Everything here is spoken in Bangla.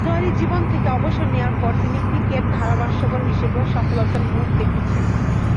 খেলোয়াড়ী জীবন থেকে অবসর নেয়ার পর তিনি ক্রিকেট ধারাভাষ্যকার হিসেবেও সফলতার মুখ দেখেছেন।